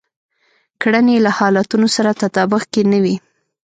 کړنې يې له حالتونو سره تطابق کې نه وي.